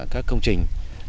các công trình